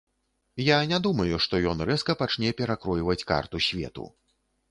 Я не думаю, што ён рэзка пачне перакройваць карту свету.